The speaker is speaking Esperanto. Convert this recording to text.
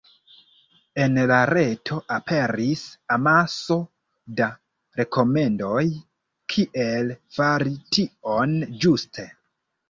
En la reto aperis amaso da rekomendoj kiel fari tion ĝuste.